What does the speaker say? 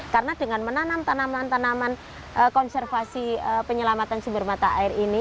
karena dengan menanam tanaman tanaman konservasi penyelamatan sumber mata air ini